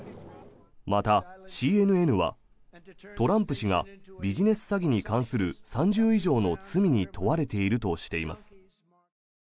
またＣＮＮは、トランプ氏がビジネス詐欺に関する３０以上の罪に問われているとしています。